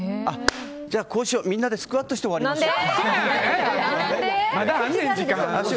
じゃあみんなでスクワットして終わりましょう。